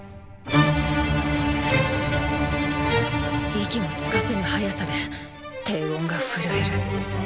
息もつかせぬ速さで低音が震える。